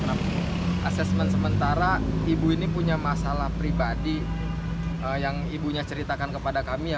asesmen sementara ibu ini punya masalah pribadi yang ibunya ceritakan kepada kami ya